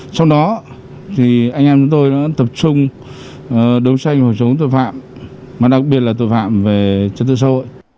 trong đó thì anh em tôi đã tập trung đối xoay với phòng chống tội phạm mà đặc biệt là tội phạm về trật tựa xã hội